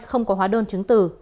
không có hóa đơn